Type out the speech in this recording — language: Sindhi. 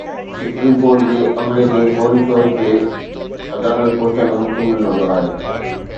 سپريم ڪورٽ جي عملي کي فوري طور تي عدالت پهچڻ جو حڪم ڏنو ويو آهي